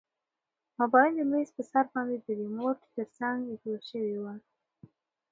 موبایل د میز په سر باندې د ریموټ تر څنګ ایښودل شوی و.